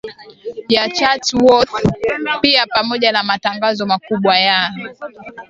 ya Chatsworth pia pamoja na matangazo makubwa ya